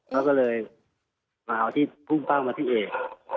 เขาก็เลยมาเอาที่พุ่งเป้ามาที่เอก